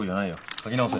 書き直せ。